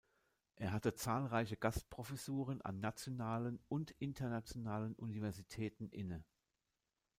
Er hatte zahlreiche Gastprofessuren an nationalen und internationalen Universitäten inne.